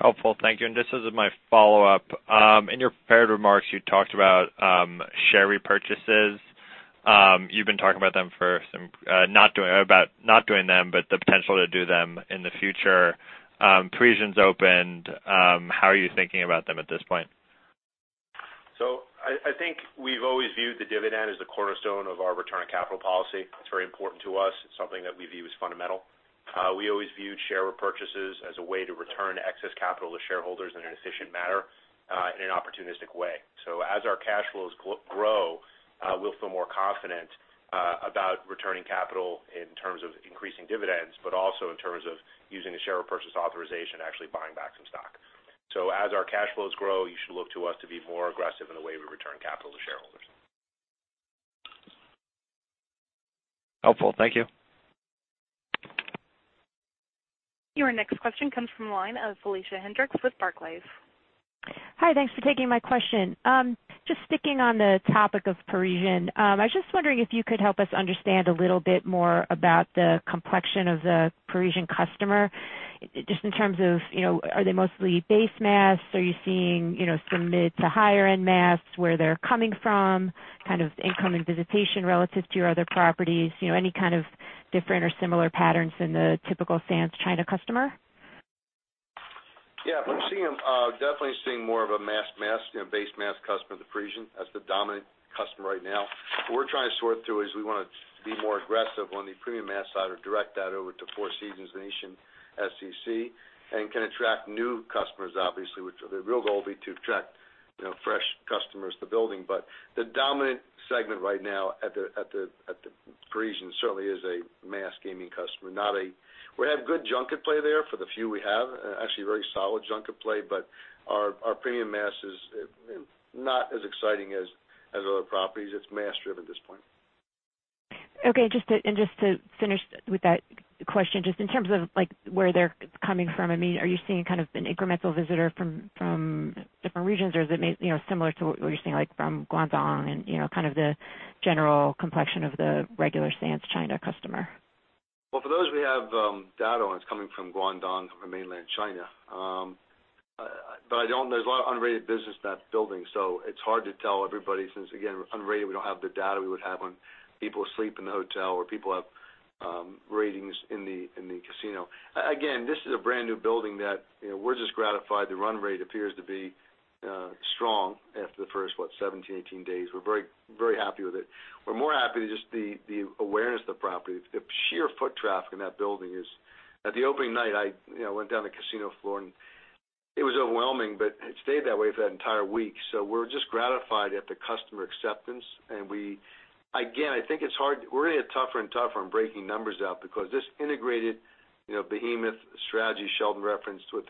Helpful. Thank you. Just as my follow-up, in your prepared remarks, you talked about share repurchases. You've been talking about not doing them, but the potential to do them in the future. The Parisian's opened, how are you thinking about them at this point? I think we've always viewed the dividend as the cornerstone of our return on capital policy. It's very important to us. It's something that we view as fundamental. We always viewed share repurchases as a way to return excess capital to shareholders in an efficient manner, in an opportunistic way. As our cash flows grow, we'll feel more confident about returning capital in terms of increasing dividends, but also in terms of using the share repurchase authorization, actually buying back some stock. As our cash flows grow, you should look to us to be more aggressive in the way we return capital to shareholders. Helpful. Thank you. Your next question comes from the line of Felicia Hendrix with Barclays. Hi, thanks for taking my question. Just sticking on the topic of Parisian, I was just wondering if you could help us understand a little bit more about the complexion of the Parisian customer, just in terms of, are they mostly base mass? Are you seeing some mid to higher end mass, where they're coming from, kind of incoming visitation relative to your other properties, any kind of different or similar patterns than the typical Sands China customer? We're definitely seeing more of a mass customer at the Parisian. That's the dominant customer right now. What we're trying to sort through is we want to be more aggressive on the premium mass side or direct that over to Four Seasons, Venetian, SCC, and can attract new customers, obviously, which the real goal will be to attract fresh customers to the building. The dominant segment right now at the Parisian certainly is a mass gaming customer. We have good junket play there for the few we have, actually a very solid junket play, but our premium mass is not as exciting as other properties. It's mass-driven at this point. Okay, just to finish with that question, just in terms of where they're coming from, are you seeing kind of an incremental visitor from different regions, or is it similar to what you're seeing, like from Guangdong and kind of the general complexion of the regular Sands China customer? For those we have data on, it's coming from Guangdong or mainland China. There's a lot of unrated business in that building, it's hard to tell everybody since, again, unrated, we don't have the data we would have on people who sleep in the hotel or people who have ratings in the casino. Again, this is a brand-new building that we're just gratified the run rate appears to be strong after the first, what, 17, 18 days. We're very happy with it. We're more happy with just the awareness of the property. The sheer foot traffic in that building is At the opening night, I went down the casino floor, and it was overwhelming, but it stayed that way for that entire week. We're just gratified at the customer acceptance, and again, I think we're going to get tougher and tougher on breaking numbers out because this integrated behemoth strategy Sheldon referenced with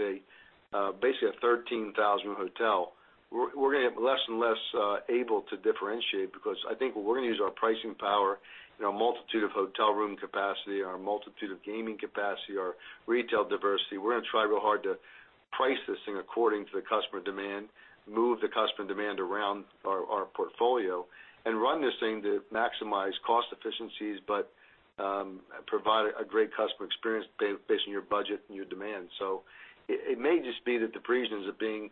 basically a 13,000 hotel. We're going to be less and less able to differentiate because I think we're going to use our pricing power in our multitude of hotel room capacity, our multitude of gaming capacity, our retail diversity. We're going to try real hard to price this thing according to the customer demand, move the customer demand around our portfolio, and run this thing to maximize cost efficiencies, but provide a great customer experience based on your budget and your demand. It may just be that the Parisians are being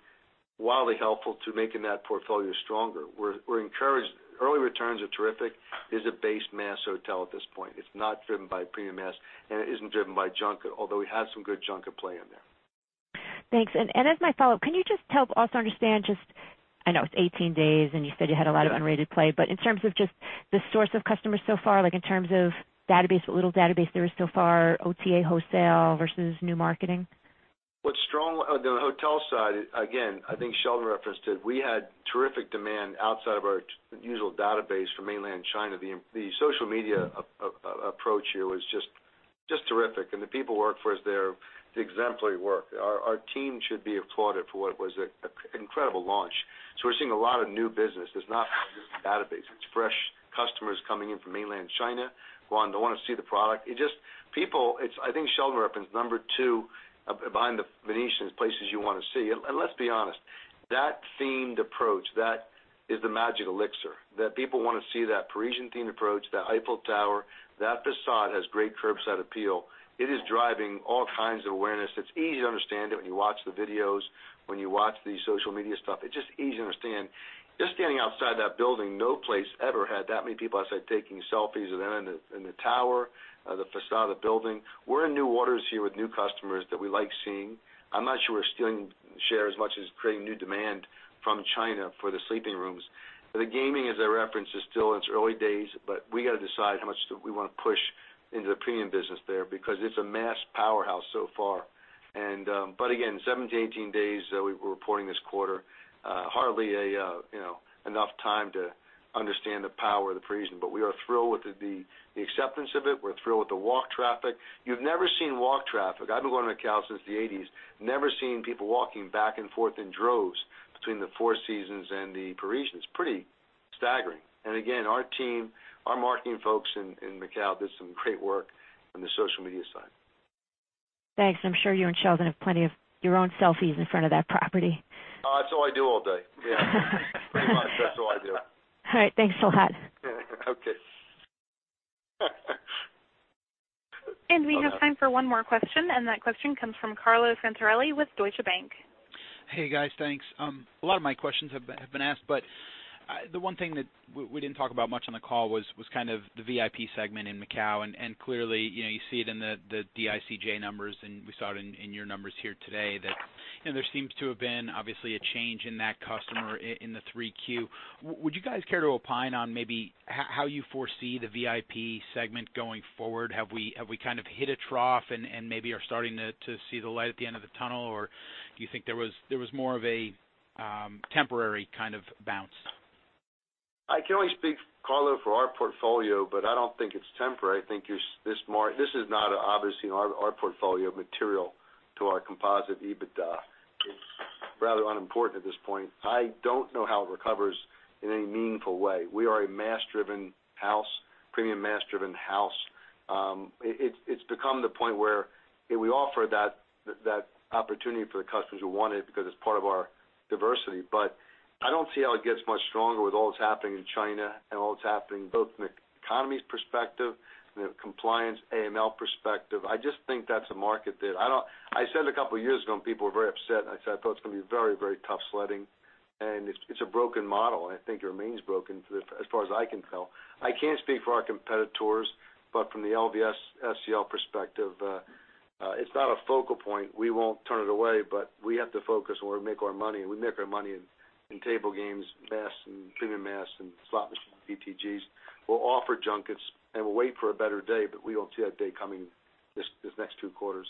wildly helpful to making that portfolio stronger. We're encouraged. Early returns are terrific. It is a base mass hotel at this point. It's not driven by premium mass, it isn't driven by junket, although we have some good junket play in there. Thanks. As my follow-up, can you just help us understand just, I know it's 18 days, and you said you had a lot of unrated play, but in terms of just the source of customers so far, like in terms of database, what little database there is so far, OTA, wholesale versus new marketing? The hotel side, again, I think Sheldon referenced it. We had terrific demand outside of our usual database for mainland China. The social media approach here was just terrific, and the people who work for us there, it's exemplary work. Our team should be applauded for what was an incredible launch. We're seeing a lot of new business. It's not using database. It's fresh customers coming in from mainland China who want to see the product. I think Sheldon referenced number two behind the Venetian as places you want to see. Let's be honest, that themed approach, that is the magic elixir, that people want to see that Parisian-themed approach, that Eiffel Tower. That facade has great curbside appeal. It is driving all kinds of awareness. It's easy to understand it when you watch the videos, when you watch the social media stuff. It's just easy to understand. Just standing outside that building, no place ever had that many people outside taking selfies in the tower, the facade of the building. We're in new waters here with new customers that we like seeing. I'm not sure we're stealing share as much as creating new demand from China for the sleeping rooms. The gaming, as I referenced, is still in its early days, but we got to decide how much we want to push into the premium business there because it's a mass powerhouse so far. Again, 17, 18 days that we're reporting this quarter, hardly enough time to understand the power of the Parisian. We are thrilled with the acceptance of it. We're thrilled with the walk traffic. You've never seen walk traffic. I've been going to Macao since the 1980s. Never seen people walking back and forth in droves. Between the Four Seasons and The Parisian. It's pretty staggering. Again, our team, our marketing folks in Macao did some great work on the social media side. Thanks. I'm sure you and Sheldon have plenty of your own selfies in front of that property. That's all I do all day. Yeah. Pretty much that's all I do. All right. Thanks a lot. Okay. We have time for one more question, and that question comes from Carlo Santarelli with Deutsche Bank. Hey, guys. Thanks. A lot of my questions have been asked, but the one thing that we didn't talk about much on the call was the VIP segment in Macao, and clearly, you see it in the DICJ numbers, and we saw it in your numbers here today that there seems to have been, obviously, a change in that customer in the 3Q. Would you guys care to opine on maybe how you foresee the VIP segment going forward? Have we hit a trough and maybe are starting to see the light at the end of the tunnel, or do you think there was more of a temporary kind of bounce? I can only speak, Carlo, for our portfolio, but I don't think it's temporary. I think this is not, obviously, our portfolio material to our composite EBITDA. It's rather unimportant at this point. I don't know how it recovers in any meaningful way. We are a mass-driven house, premium mass-driven house. It's become the point where we offer that opportunity for the customers who want it because it's part of our diversity, but I don't see how it gets much stronger with all that's happening in China and all that's happening both from an economy's perspective and the compliance AML perspective. I said a couple of years ago, and people were very upset, and I said, "I thought it's going to be very tough sledding." It's a broken model, and I think it remains broken as far as I can tell. I can't speak for our competitors, but from the LVS SCL perspective, it's not a focal point. We won't turn it away, but we have to focus on where to make our money, and we make our money in table games, mass and premium mass, and slot machine ETGs. We'll offer junkets, and we'll wait for a better day, but we don't see that day coming these next two quarters.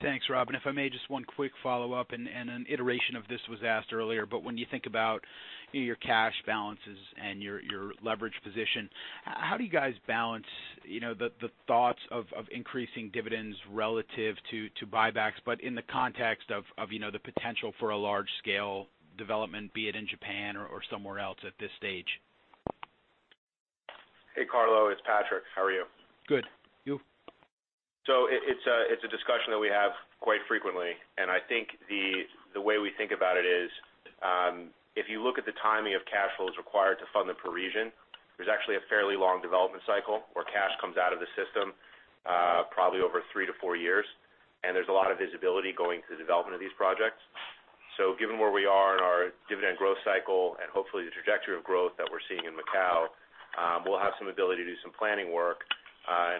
Thanks, Rob. If I may, just one quick follow-up, and an iteration of this was asked earlier. When you think about your cash balances and your leverage position, how do you guys balance the thoughts of increasing dividends relative to buybacks, but in the context of the potential for a large-scale development, be it in Japan or somewhere else at this stage? Hey, Carlo, it's Patrick. How are you? Good. You? It's a discussion that we have quite frequently, and I think the way we think about it is, if you look at the timing of cash flows required to fund The Parisian, there's actually a fairly long development cycle where cash comes out of the system, probably over three to four years. There's a lot of visibility going to the development of these projects. Given where we are in our dividend growth cycle and hopefully the trajectory of growth that we're seeing in Macao, we'll have some ability to do some planning work.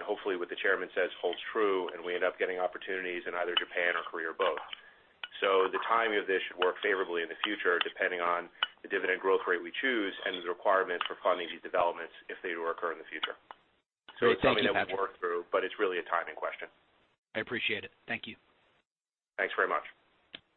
Hopefully what the Chairman says holds true, and we end up getting opportunities in either Japan or Korea or both. The timing of this should work favorably in the future, depending on the dividend growth rate we choose and the requirements for funding these developments if they were to occur in the future. Thank you, Patrick. It's something that we'll work through, it's really a timing question. I appreciate it. Thank you. Thanks very much.